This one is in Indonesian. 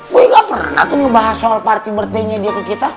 boy nggak pernah tuh ngebahas soal party birthdaynya dia ke kita